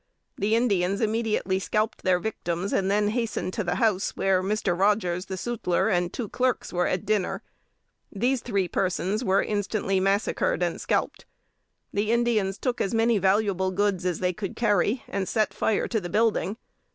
The Indians immediately scalped their victims, and then hastened to the house, where Mr. Rogers, the sutler, and two clerks, were at dinner. These three persons were instantly massacred and scalped. The Indians took as many valuable goods as they could carry, and set fire to the building.